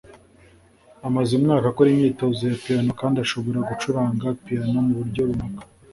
amaze umwaka akora imyitozo ya piyano kandi ashobora gucuranga piyano muburyo runaka